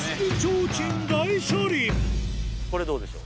これどうでしょう。